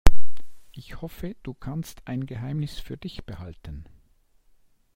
Ich hoffe, du kannst ein Geheimnis für dich behalten.